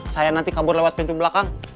saya nanti kabur lewat pintu belakang